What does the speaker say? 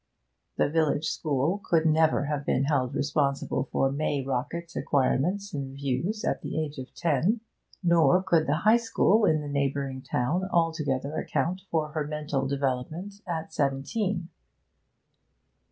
The village school could never have been held responsible for May Rockett's acquirements and views at the age of ten; nor could the High School in the neighbouring town altogether account for her mental development at seventeen.